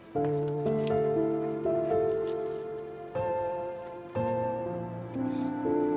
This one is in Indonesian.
tidak semua itu tidak benar